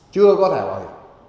chưa có thẻ loại